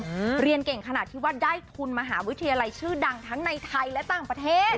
เรียนเก่งขนาดที่ว่าได้ทุนมหาวิทยาลัยชื่อดังทั้งในไทยและต่างประเทศ